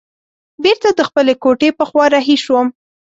بیرته د خپلې کوټې په خوا رهي شوم.